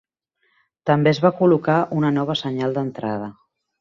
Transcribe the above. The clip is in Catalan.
També es va col·locar una nova senyal d"entrada.